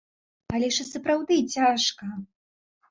Але ж і сапраўды цяжка!